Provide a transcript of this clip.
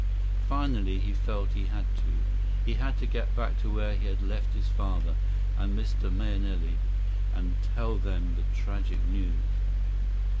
Finally, he felt he had to. He had to get back to where he had left his father and Mr. Mahenili and tell them the tragic news.